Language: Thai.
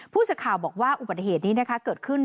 ผู้สื่อข่าวบอกว่าอุบัติเหตุนี้นะคะเกิดขึ้น